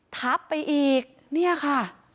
ทับไปอีกเนี่ยค่ะ